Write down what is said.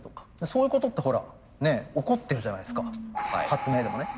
そういうことってほらね起こってるじゃないですか発明でもね。